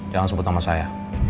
jangan sebut nama saya